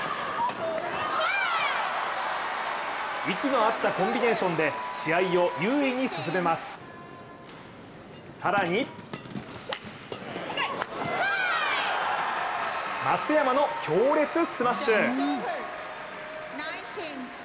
息の合ったコンビネーションで試合を優位に進めます、更に松山の強烈スマッシュ。